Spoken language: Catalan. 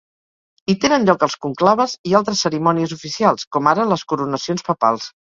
Hi tenen lloc els conclaves i altres cerimònies oficials, com ara les coronacions papals.